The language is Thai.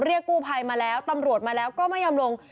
กู้ภัยมาแล้วตำรวจมาแล้วก็ไม่ยอมลง